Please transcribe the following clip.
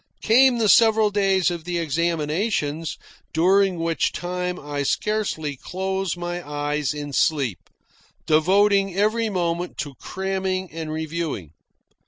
Came the several days of the examinations, during which time I scarcely closed my eyes in sleep, devoting every moment to cramming and reviewing.